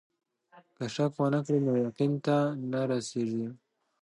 که شک ونه کړې نو يقين ته نه رسېږې.